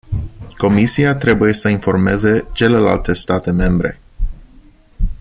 Comisia trebuie să informeze celelalte state membre.